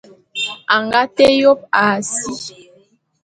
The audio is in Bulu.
A nga té yôp a si.